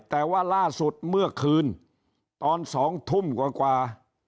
แต่ว่าล่าสุดเมื่อคืนตอน๒ทุ่มกว่า